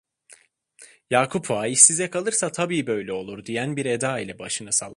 Yakup Ağa: "İş size kalırsa tabii böyle olur!" diyen bir eda ile başını salladı.